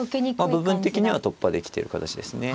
部分的には突破できてる形ですね。